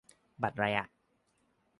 บัตรไรอะ